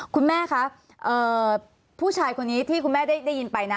คุณแม่คะผู้ชายคนนี้ที่คุณแม่ได้ยินไปนะ